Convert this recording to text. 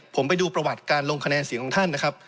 ผมไปดูประวัติการลงคะแนนเสียงของท่านนะครับ